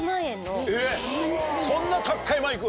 そんな高っかいマイク！